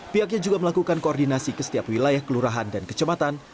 pihaknya juga melakukan koordinasi ke setiap wilayah kelurahan dan kecematan